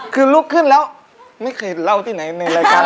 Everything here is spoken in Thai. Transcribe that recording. คือลุกขึ้นแล้วไม่เคยเล่าที่ไหนในรายการ